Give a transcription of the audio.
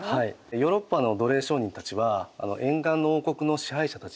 ヨーロッパの奴隷商人たちは沿岸の王国の支配者たちにですね